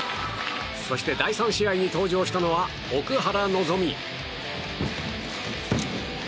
そして、第３試合に登場したのは奥原希望。